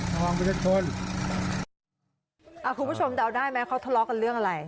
คุณผู้ชมแต่เอาได้ไหมเขาทะเลาะกันเรื่องอะไร